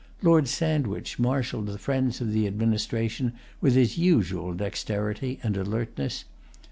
Lord Sandwich marshalled the friends of the administration with his usual dexterity and alertness.